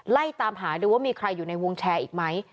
ไล่ตามหาดูว่ามีใครอยู่ในวงแชร์อีกไหม